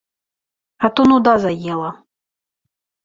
А то нуда заела.